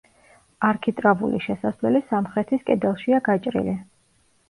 არქიტრავული შესასვლელი სამხრეთის კედელშია გაჭრილი.